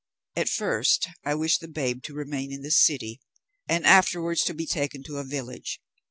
At first I wish the babe to remain in this city, and afterwards to be taken to a village.